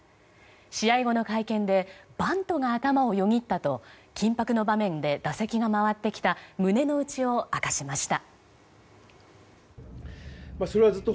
試合後の会見でバントが頭をよぎったと緊迫の場面で打席が回ってきた胸の内を明かしました。